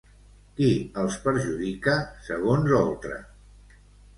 Qui els perjudica, segons Oltra?